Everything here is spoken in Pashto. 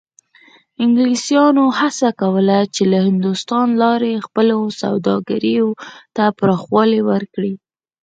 انګلیسانو هڅه کوله چې له هندوستان لارې خپلو سوداګریو ته پراخوالی ورکړي.